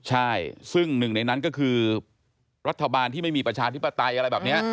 ใช่ซึ่งหนึ่งในนั้นก็คือรัฐบาลที่ไม่มีประชาธิปไตยอะไรแบบนี้